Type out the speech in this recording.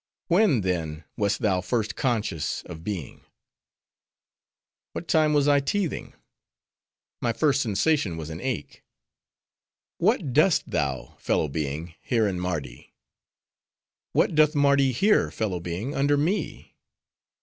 "When, then, wast thou first conscious of being?" "What time I was teething: my first sensation was an ache." "What dost thou, fellow being, here in Mardi?" "What doth Mardi here, fellow being, under me?"